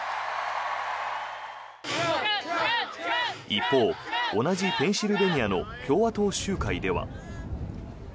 一方、同じペンシルベニアの共和党集会では。